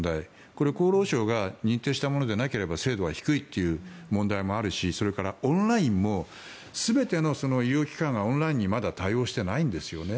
これ、厚労省が認定したものじゃなければ精度は低いという問題もあるしそれからオンラインも全ての医療機関がオンラインにまだ対応してないんですよね。